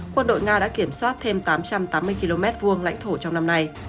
quân đội nga đã kiểm soát thêm tám trăm tám mươi km vuông lãnh thổ trong năm nay